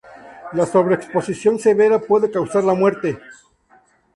La sobreexposición severa puede causar la muerte.